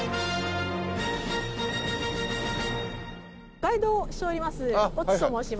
ガイドをしております